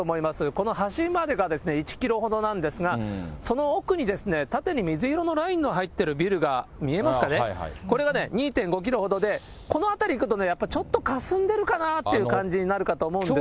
この橋までが１キロほどなんですが、その奥に縦に水色のラインの入っているビルが見えますかね、これが２．５キロほどで、この辺り行くとね、ちょっとかすんでるかなぁって感じになるかと思うんです。